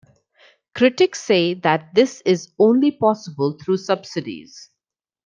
Critics say that this is only possible through subsidies.